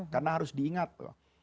karena harus diingat loh